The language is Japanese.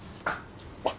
あっ。